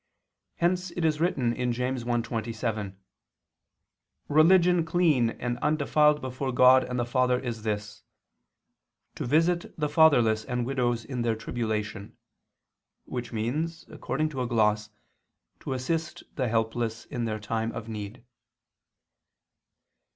Hence it is written (James 1:27): "Religion clean and undefiled before God and the Father, is this: to visit the fatherless and widows in their tribulation," which means, according to a gloss, to assist the helpless in their time of need.